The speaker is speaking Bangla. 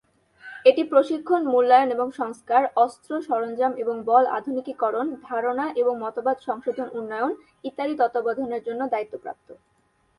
এটি প্রশিক্ষণ মূল্যায়ন এবং সংস্কার; অস্ত্র, সরঞ্জাম এবং বল আধুনিকীকরণ; ধারণা এবং মতবাদ সংশোধন উন্নয়ন ইত্যাদি তত্ত্বাবধানের জন্য দায়িত্বপ্রাপ্ত।